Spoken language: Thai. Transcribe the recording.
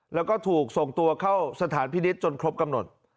แล้วก็ถูกส่งตัวเข้าสถานพินิษฐ์จนครบกำหนด